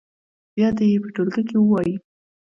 بیا دې یې په ټولګي کې ووایي.